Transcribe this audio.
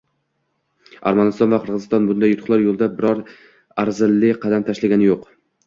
Armaniston va Qirg‘iziston bunday yutuqlar yo‘lida biror arzirli qadam tashlashgani yo‘q.